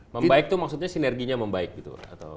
membaik tuh maksudnya sinerginya membaik gitu